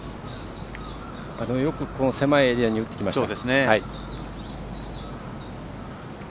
でも、よくこの狭いエリアに打ってきました。